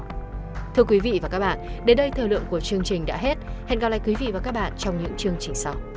cảm ơn quý vị đã theo dõi hẹn gặp lại